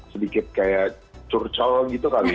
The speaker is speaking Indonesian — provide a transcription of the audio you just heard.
sedikit kayak curcol gitu kali